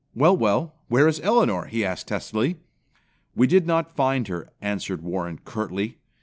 "Well, well, where is Elinor?" he asked testily. "We did not find her," answered Warren curtly.